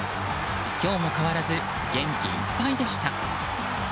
今日も変わらず元気いっぱいでした。